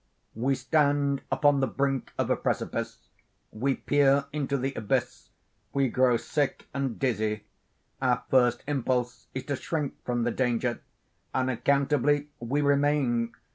We stand upon the brink of a precipice. We peer into the abyss—we grow sick and dizzy. Our first impulse is to shrink from the danger. Unaccountably we remain.